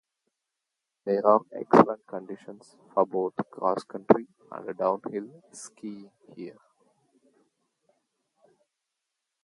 There are excellent conditions for both cross-country and downhill skiing here.